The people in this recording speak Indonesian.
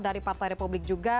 dari partai republik juga